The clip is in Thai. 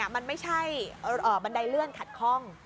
มันไม่ใช่บันไดเลื่อนขัดคล่อง